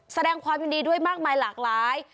แสดงความยินดีด้วยมากมายหลากหลาย